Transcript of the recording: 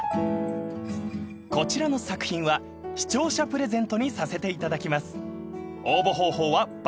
［こちらの作品は視聴者プレゼントにさせていただきます］